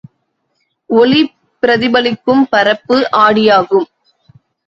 ஒளி பிரதிபலிக்கும் பரப்பு ஆடியாகும்.